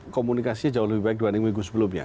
komunikasinya jauh lebih baik dua minggu sebelumnya